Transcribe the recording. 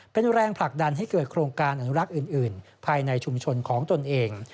เป็นแรงผลักดันให้เกิดโครงการอนุรักษ์อื่นภายในชุมชนของตนเอง